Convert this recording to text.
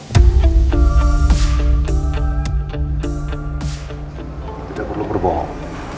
tidak perlu berbohong